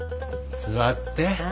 座って。